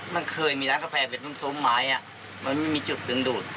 มันเคยมีร้านกาแฟเป็นซุ้มไม้มันไม่มีจุดดึงดูด